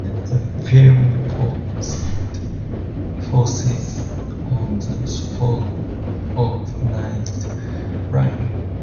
The film focuses on the sport of kite flying.